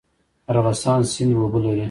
ارغستان سیند اوبه لري؟